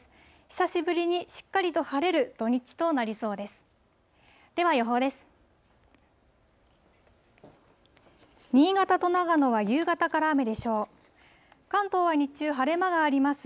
久しぶりにしっかりと晴れる土日となりそうです。